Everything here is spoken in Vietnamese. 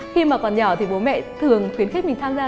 khi mà còn nhỏ thì bố mẹ thường khuyến khích mình tham gia